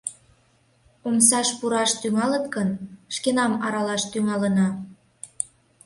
Омсаш пураш тӱҥалыт гын, шкенам аралаш тӱҥалына.